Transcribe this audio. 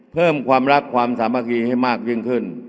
เพิ่มความรักความสามัคคีให้มากยิ่งขึ้น